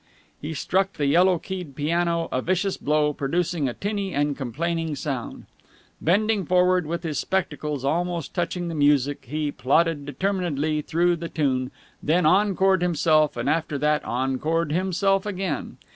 He struck the yellow keyed piano a vicious blow, producing a tinny and complaining sound. Bending forward with his spectacles almost touching the music, he plodded determinedly through the tune, then encored himself, and after that encored himself again.